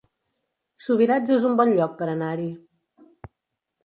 Subirats es un bon lloc per anar-hi